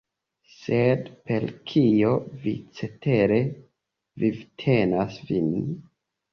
Sed per kio vi cetere vivtenas vin?